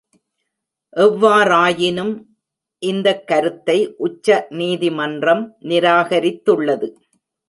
எவ்வாறாயினும், இந்த கருத்தை உச்ச நீதிமன்றம் நிராகரித்துள்ளது.